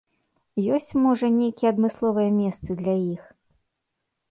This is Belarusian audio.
Ёсць, можа, нейкія адмысловыя месцы для іх?